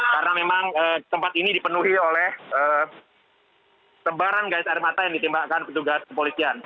karena memang tempat ini dipenuhi oleh tembaran gais air mata yang ditembakkan petugas kepolisian